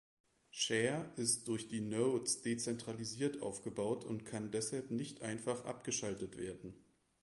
Share ist durch die Nodes dezentralisiert aufgebaut und kann deshalb nicht einfach abgeschaltet werden.